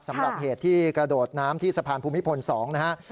สำหรับเหตุที่กระโดดน้ำที่สะพานภูมิพล๒นะฮะ